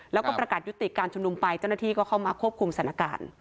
แล้วก็ประกาศยุติการชุมนุมไปเจ้าหน้าที่ก็เข้ามาควบคุมสถานการณ์